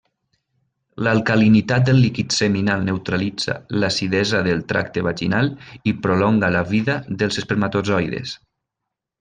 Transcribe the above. L'alcalinitat del líquid seminal neutralitza l'acidesa del tracte vaginal i prolonga la vida dels espermatozoides.